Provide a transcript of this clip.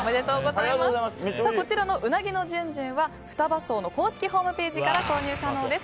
こちらのうなぎのじゅんじゅんは双葉荘の公式ホームページから購入可能です。